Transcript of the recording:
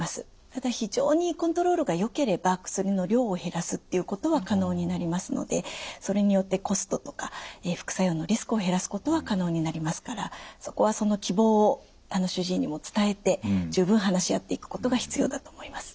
ただ非常にコントロールがよければ薬の量を減らすっていうことは可能になりますのでそれによってコストとか副作用のリスクを減らすことは可能になりますからそこはその希望を主治医にも伝えて十分話し合っていくことが必要だと思います。